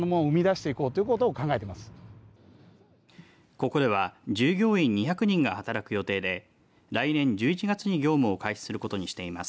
ここでは従業員２００人が働く予定で来年１１月に業務を開始することにしています。